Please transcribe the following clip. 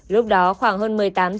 lúc đó khoảng hơn một mươi tám h